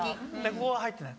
ここは入ってない